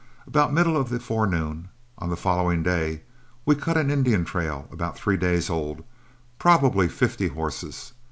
About the middle of the forenoon, on the following day, we cut an Indian trail, about three days old, of probably fifty horses.